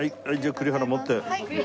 「栗原持って」。